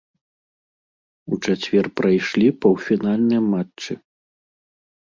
У чацвер прайшлі паўфінальныя матчы.